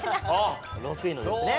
６位のですね。